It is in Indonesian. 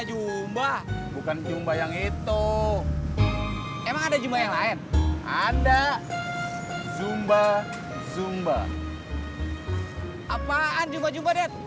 gak ada yang mau buka puasa pas sama ya